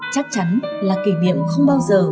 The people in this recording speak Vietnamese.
chắc chắn là kỷ niệm không bao giờ